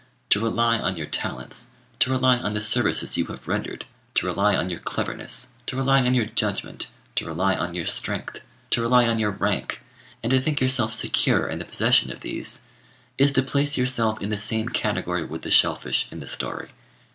To rely on your talents, to rely on the services you have rendered, to rely on your cleverness, to rely on your judgment, to rely on your strength, to rely on your rank, and to think yourself secure in the possession of these, is to place yourselves in the same category with the shell fish in the story.